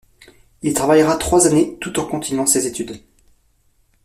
Il y travaillera trois années tout en continuant ses études.